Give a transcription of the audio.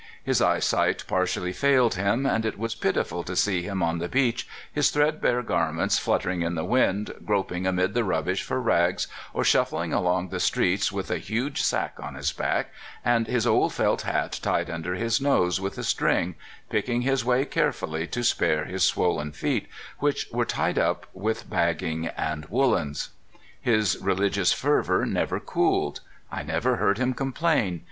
His eye sight partially failed him, and it was pitiful to see him on the beach, his threadbare garments flutter ing in the wind, groping amid the rubbish for rags, or shufHing along the streets with a huge sack on his back, and his old felt hat tied under his nose UNCLE NOLAN. 247 with a string, picking his way carefully to spare his swollen feet, which were tied up with bagging and woolens. His religious fervor never cooled ; I never heard him complain.